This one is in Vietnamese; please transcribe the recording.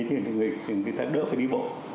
thế thì người ta đều